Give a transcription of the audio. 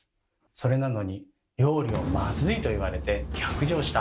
それなのに料理を「まずい」と言われて逆上した。